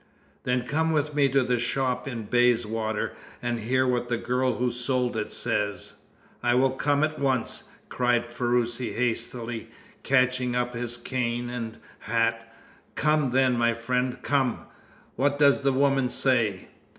"Then come with me to the shop in Bayswater, and hear what the girl who sold it says." "I will come at once!" cried Ferruci hastily, catching up his cane and hat. "Come, then, my friend! Come! What does the woman say?"